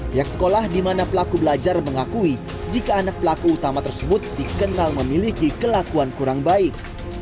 pihak sekolah di mana pelaku belajar mengakui jika anak pelaku utama tersebut dikenal memiliki kelakuan kurang baik